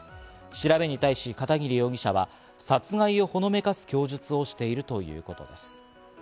調べに対し、片桐容疑者は殺害をほのめかす供述をしているということです。